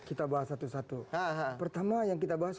kita bahas satu satu pertama yang kita bahas